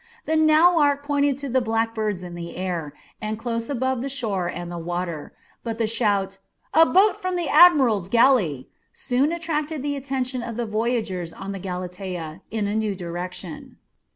The nauarch pointed to the black birds in the air and close above the shore and the water; but the shout, "A boat from the admiral's galley!" soon attracted the attention of the voyagers on the Galatea in a new direction.